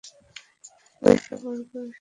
বৈশ্যবর্গও সে দেশে কখনও ক্ষমতা লাভ করে নাই।